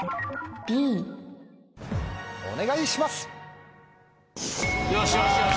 お願いします！